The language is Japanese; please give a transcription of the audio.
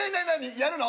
やるの？